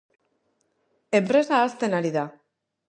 Enpresa hasten ari da.